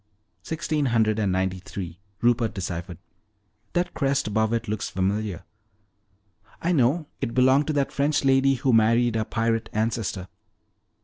"Sixteen hundred ninety three," Rupert deciphered. "That crest above it looks familiar. I know, it belonged to that French lady who married our pirate ancestor."